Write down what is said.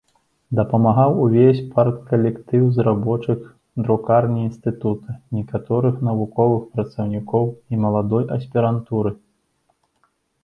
Дапамагаў увесь парткалектыў з рабочых друкарні інстытута, некаторых навуковых працаўнікоў і маладой аспірантуры.